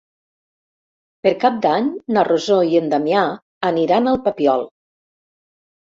Per Cap d'Any na Rosó i en Damià aniran al Papiol.